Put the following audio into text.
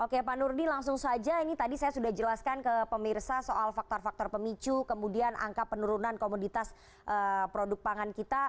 oke pak nurdi langsung saja ini tadi saya sudah jelaskan ke pemirsa soal faktor faktor pemicu kemudian angka penurunan komoditas produk pangan kita